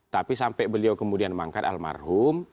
tapi sampai beliau kemudian mangkat almarhum